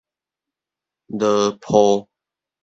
磘廍